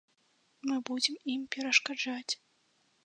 Мы будзем ім перашкаджаць.